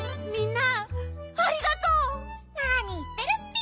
なにいってるッピ。